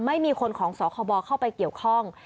ไม่มีคนของสคบเข้าไปเกี่ยวข้อง